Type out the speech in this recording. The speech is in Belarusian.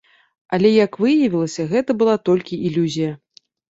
Але як выявілася, гэта была толькі ілюзія.